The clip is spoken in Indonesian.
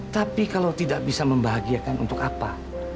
tapi kalau tidak bisa membahagiakan untuk apa